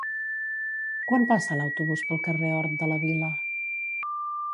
Quan passa l'autobús pel carrer Hort de la Vila?